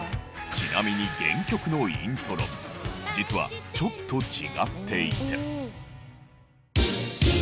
ちなみに原曲のイントロ実はちょっと違っていて。